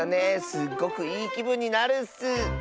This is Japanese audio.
すっごくいいきぶんになるッス。